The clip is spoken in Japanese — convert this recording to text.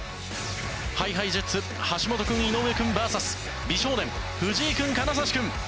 ＨｉＨｉＪｅｔｓ橋本君井上君ＶＳ美少年藤井君金指君。